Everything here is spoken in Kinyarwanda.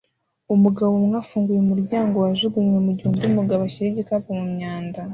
Umugabo umwe afunguye umuryango wajugunywe mu gihe undi mugabo ashyira igikapu mu myanda